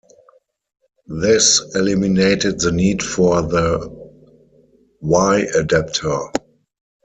This eliminated the need for the Y-adaptor.